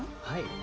はい。